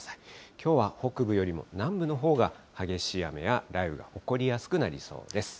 きょうは北部よりも南部のほうが激しい雨や雷雨が起こりやすくなりそうです。